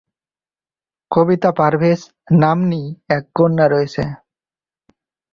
কবিতা পারভেজ নাম্নী এক কন্যা রয়েছে।